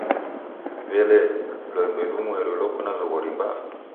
W'ele, lwembe lumweri loko na zoghori mbaa?